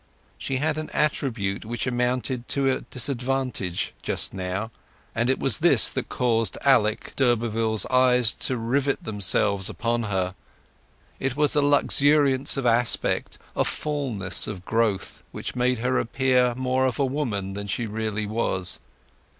She had an attribute which amounted to a disadvantage just now; and it was this that caused Alec d'Urberville's eyes to rivet themselves upon her. It was a luxuriance of aspect, a fulness of growth, which made her appear more of a woman than she really was.